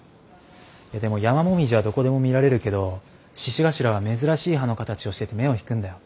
でもヤマモミジはどこでも見られるけど獅子頭は珍しい葉の形をしてて目を引くんだよ。